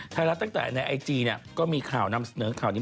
ไทยรัฐตั้งแต่ในไอจีก็มีข่าวนำเสนอข่าวนี้